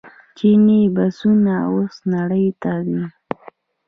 چیني بسونه اوس نړۍ ته ځي.